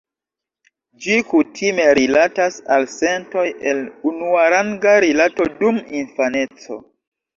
Ĝi kutime rilatas al sentoj el unuaranga rilato dum infaneco.